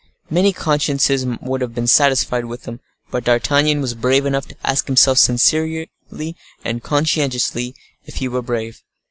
Many consciences would have been satisfied with them, but D'Artagnan was brave enough to ask himself sincerely and conscientiously if he were brave.